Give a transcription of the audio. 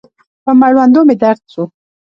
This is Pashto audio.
پر مړوندو مې درد سو.